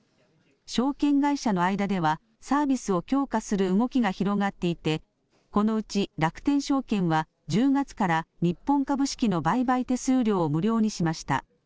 証券会社の間ではサービスを強化する動きが広がっていてこのうち楽天証券は１０月から日本株式の売買手数料を無料にしました。